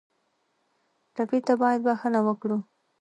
ټپي ته باید بښنه ورکړو.